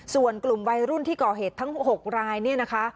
ส่วนกลุ่มวัยรุ่นที่ก่อเหตุทั้ง๖รายเนี่ยนะคะ